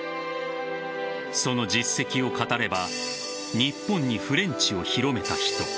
その実績を語れば日本にフレンチを広めた人